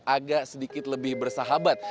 agak sedikit lebih bersahabat